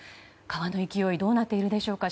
川の勢いどうなっているでしょうか。